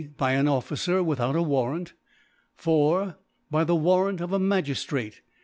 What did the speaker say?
By an Officer without a Warrant. 4. By the, Warrant of a Magi» ftrate.